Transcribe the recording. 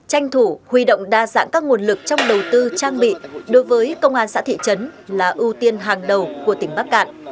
tranh thủ huy động đa dạng các nguồn lực trong đầu tư trang bị đối với công an xã thị trấn là ưu tiên hàng đầu của tỉnh bắc cạn